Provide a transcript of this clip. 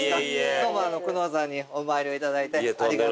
どうも久能山にお参りを頂いてありがとうございます。